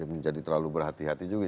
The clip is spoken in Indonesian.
menjadi terlalu berhati hati juga